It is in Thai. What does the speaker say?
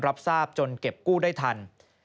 รับทราบจนเก็บกู้ได้ทัน